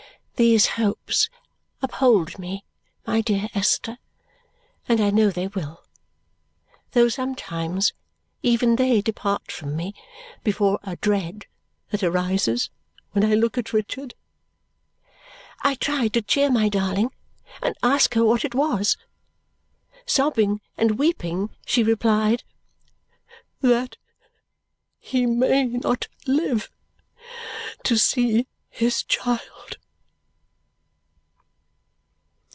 "These hopes uphold me, my dear Esther, and I know they will. Though sometimes even they depart from me before a dread that arises when I look at Richard." I tried to cheer my darling, and asked her what it was. Sobbing and weeping, she replied, "That he may not live to see his child."